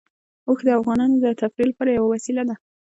اوښ د افغانانو د تفریح لپاره یوه وسیله ده.